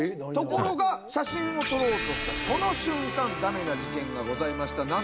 ところが写真を撮ろうとしたその瞬間だめな事件がございました。